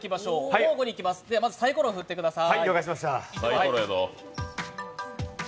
交互にいきます、まずさいころを振ってください。